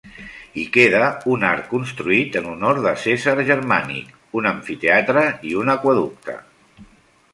Hi queda un arc construït en honor de Cèsar Germànic, un amfiteatre i un aqüeducte.